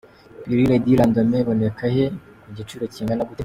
Pilule du lendemain iboneka he ?Ku giciro kingana gute?.